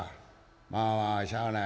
まあしゃあない。